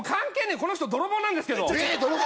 この人泥棒なんですけどえーっ泥棒！？